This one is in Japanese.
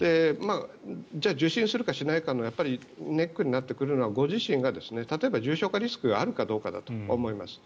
じゃあ、受診するかしないかのネックになってくるのはご自身が重症化リスクがあるかどうかだと思います。